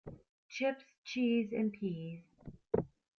Chips, cheese and peas.